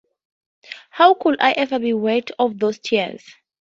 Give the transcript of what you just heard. How could I ever be worthy of those tears?